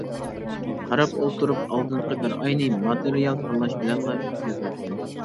قاراپ ئولتۇرۇپ ئالدىنقى بىر ئاينى ماتېرىيال تاللاش بىلەنلا ئۆتكۈزۈۋەتتىم.